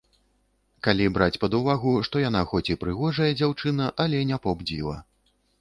Калі браць пад увагу, што яна хоць і прыгожая дзяўчына, але не поп-дзіва.